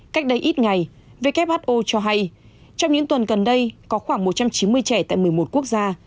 cách đây ít ngày who cho hay trong những tuần gần đây có khoảng một trăm chín mươi trẻ tại một mươi một quốc gia